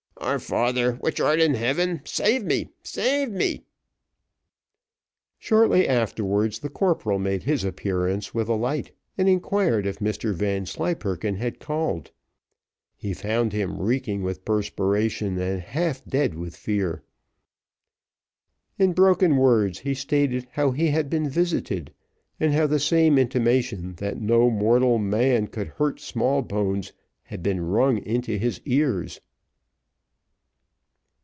"Our Father which art in heaven save me save me!" Shortly afterwards the corporal made his appearance with a light, and inquired if Mr Vanslyperken had called. He found him reeking with perspiration, and half dead with fear. In broken words he stated how he had been visited, and how the same intimation that no mortal man could hurt Smallbones had been rung into his ears.